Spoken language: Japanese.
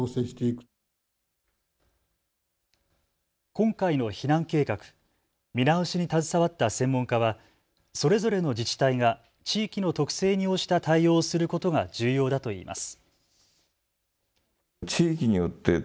今回の避難計画、見直しに携わった専門家はそれぞれの自治体が地域の特性に応じた対応をすることが重要だといいます。